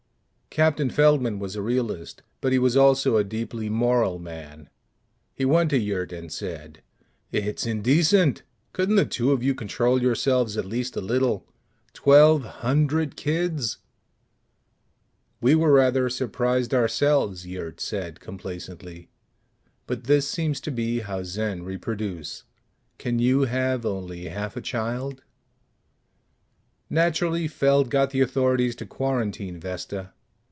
Captain Feldman was a realist but he was also a deeply moral man. He went to Yurt and said, "It's indecent! Couldn't the two of you control yourselves at least a little? Twelve hundred kids!" "We were rather surprised ourselves," Yurt said complacently. "But this seems to be how Zen reproduce. Can you have only half a child?" Naturally, Feld got the authorities to quarantine Vesta.